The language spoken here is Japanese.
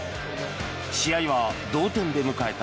試合は同点で迎えた